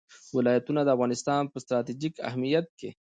ولایتونه د افغانستان په ستراتیژیک اهمیت کې دي.